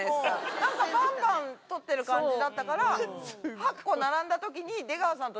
なんかバンバン獲ってる感じだったから８個並んだときに出川さんと。